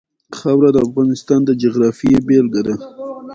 خاوره د افغانستان د جغرافیې بېلګه ده.